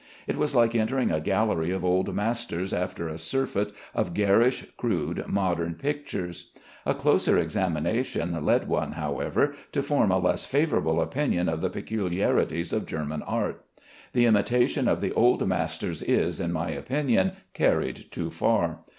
It was like entering a gallery of old masters after a surfeit of garish, crude modern pictures. A closer examination led one, however, to form a less favorable opinion of the peculiarities of German art. The imitation of the old masters is, in my opinion, carried too far.